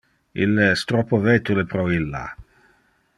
Ille es troppo vetule pro illa.